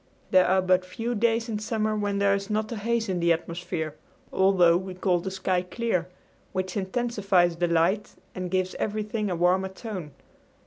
There are but few days in summer when there is not a haze in the atmosphere, although we call the sky clear, which intensifies the light and gives everything a warmer tone.